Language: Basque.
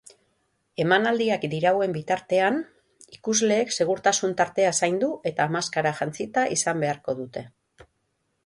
Emanaldiak dirauen bitartean, ikusleek segurtasun-tartea zaindu eta maskara jantzita izan beharko dute.